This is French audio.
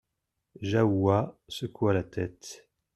Jahoua secoua la tête.